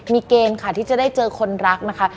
มีเกณฑ์ค่ะที่จะได้เจอคนรักนะคะ